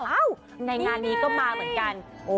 ในงานนี้ก็มาเหมือนกัน